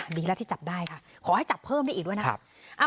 ดีแล้วที่จับได้ค่ะขอให้จับเพิ่มได้อีกด้วยนะครับ